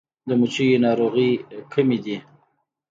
د مچیو ناروغۍ کومې دي؟